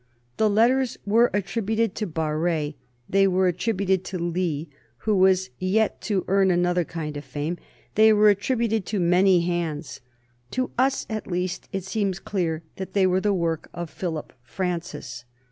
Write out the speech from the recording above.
The letters were attributed to Barré; they were attributed to Lee, who was yet to earn another kind of fame; they were attributed to many hands. To us, at least, it seems clear that they were the work of Philip Francis.